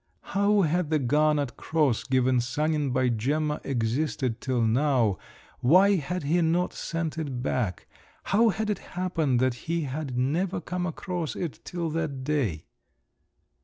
How had the garnet cross given Sanin by Gemma existed till now, why had he not sent it back, how had it happened that he had never come across it till that day?